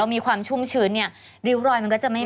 เอาโอเคอ่ะผมมองไม่เคยเห็นหน้าอะ